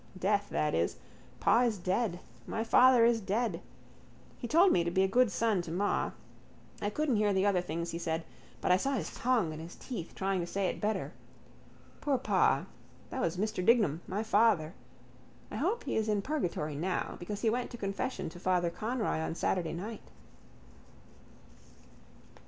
Death, that is. Pa is dead. My father is dead. He told me to be a good son to ma. I couldn't hear the other things he said but I saw his tongue and his teeth trying to say it better. Poor pa. That was Mr Dignam, my father. I hope he's in purgatory now because he went to confession to Father Conroy on Saturday night.